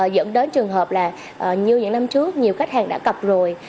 dẫn đến trường hợp là như những năm trước nhiều khách hàng đã cọc rồi